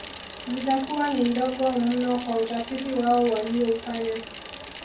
Zitakuwa ni ndogo mno kwa utafiti wao walioufanya